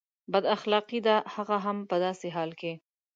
بد اخلاقي ده هغه هم په داسې حال کې.